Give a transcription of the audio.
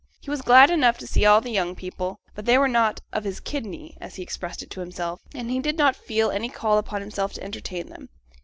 He was glad enough to see all the young people, but they were not 'of his kidney,' as he expressed it to himself, and he did not feel any call upon himself to entertain them.